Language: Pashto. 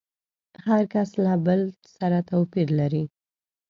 هر کس له بل سره توپير لري.